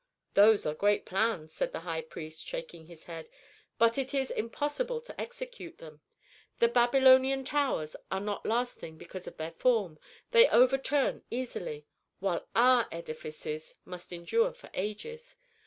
"Those are great plans," said the high priest, shaking his head, "but it is impossible to execute them. The Babylonian towers are not lasting because of their form, they overturn easily, while our edifices must endure for ages.